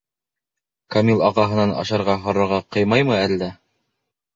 Камил ағаһынан ашарға һорарға ҡыймаймы әллә?